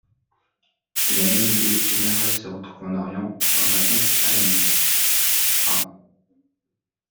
La même idée générale se retrouve en Orient, dans un conte annamite (A.